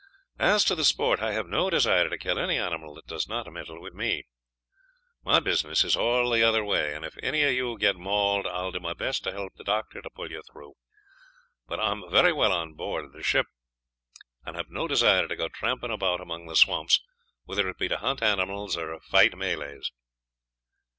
As to the sport, I have no desire to kill any animal that does not meddle with me. My business is all the other way, and if any of you get mauled, I will do my best to help the doctor to pull you through; but I am very well on board the ship, and have no desire to go tramping about among the swamps, whether it be to hunt animals or fight Malays."